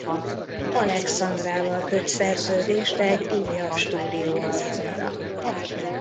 Alexandrával köt szerződést egy újabb stúdió albumra.